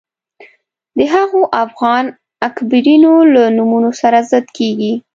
د هغو افغان اکابرینو له نومونو سره ضد کېږي